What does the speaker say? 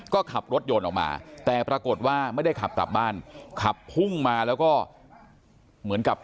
ก็ขับรถยนต์ออกมาแต่ปรากฏว่าไม่ได้ขับกลับบ้านขับพุ่งมาแล้วก็เหมือนกับ